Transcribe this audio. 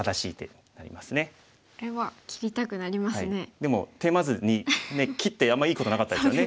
でもテーマ図２切ってあんまいいことなかったですよね。